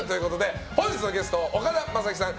本日のゲスト、岡田将生さん